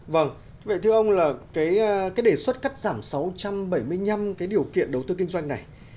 vâng vậy thưa ông là cái đề xuất cắt giảm sáu trăm bảy mươi năm cái điều kiện đầu tư kinh doanh này